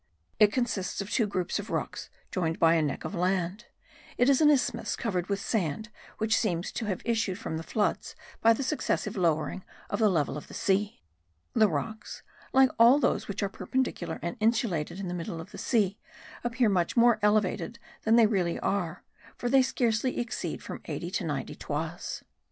It consists of two groups of rocks joined by a neck of land; it is an isthmus covered with sand which seems to have issued from the floods by the successive lowering of the level of the sea. The rocks, like all those which are perpendicular and insulated in the middle of the sea, appear much more elevated than they really are, for they scarcely exceed from 80 to 90 toises.